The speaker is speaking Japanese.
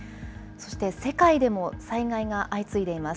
そして世界でも災害が相次いでいます。